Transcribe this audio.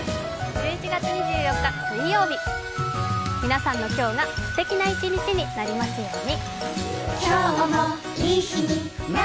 １１月２４日水曜日皆さんの今日がすてきな一日になりますように。